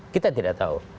kita tidak tahu